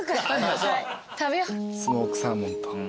スモークサーモンと。